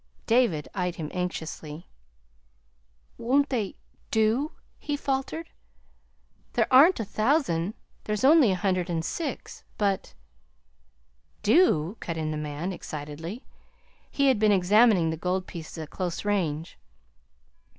David eyed him anxiously. "Won't they do?" he faltered. "There aren't a thousand; there's only a hundred and six; but " "Do!" cut in the man, excitedly. He had been examining the gold piece at close range.